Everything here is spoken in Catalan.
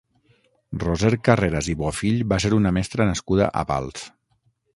Roser Carreras i Bofill va ser una mestra nascuda a Pals.